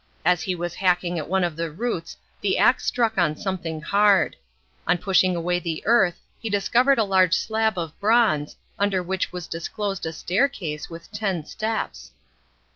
As he was hacking at one of the roots the axe struck on something hard. On pushing away the earth he discovered a large slab of bronze, under which was disclosed a staircase with ten steps.